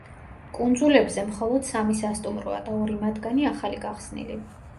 კუნძულებზე მხოლოდ სამი სასტუმროა და ორი მათგანი ახალი გახსნილი.